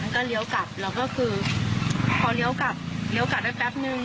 ก็เลี้ยวกลับแล้วก็คือพอเลี้ยวกลับเลี้ยวกลับได้แป๊บนึง